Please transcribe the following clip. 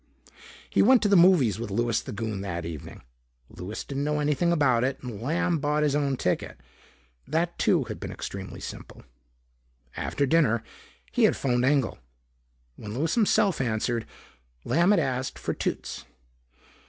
He went to the movies with Louis the Goon that evening. Louis didn't know anything about it and Lamb bought his own ticket. That too had been extremely simple. After dinner, he had phoned Engel. When Louis himself answered, Lamb had asked for Toots.